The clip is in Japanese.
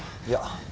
いや。